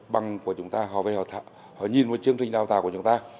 bằng của chúng ta họ nhìn vào chương trình đào tạo của chúng ta